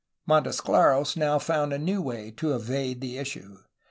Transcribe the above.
Montesclaros now found a new way to evade the issue.